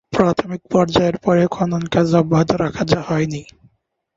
প্রাথমিক পর্যায়ের পরে খনন কাজ অব্যাহত রাখা হয় নি।